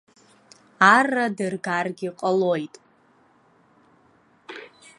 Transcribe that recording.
Арра дыргаргьы ҟалоит.